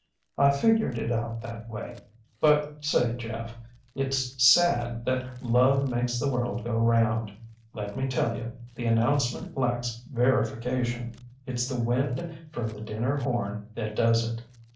I figured it out that way. But say, Jeff, itŌĆÖs said that love makes the world go around. Let me tell you, the announcement lacks verification. ItŌĆÖs the wind from the dinner horn that does it.